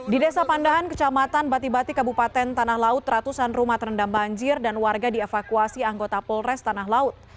di desa pandahan kecamatan batibati kabupaten tanah laut ratusan rumah terendam banjir dan warga dievakuasi anggota polres tanah laut